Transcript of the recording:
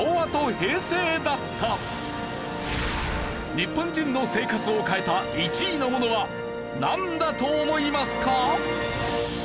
日本人の生活を変えた１位のものはなんだと思いますか？